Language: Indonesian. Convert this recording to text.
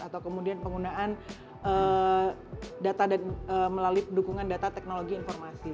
atau kemudian penggunaan data dan melalui dukungan data teknologi informasi